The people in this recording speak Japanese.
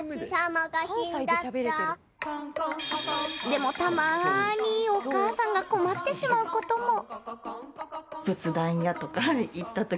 でも、たまにお母さんが困ってしまうことも。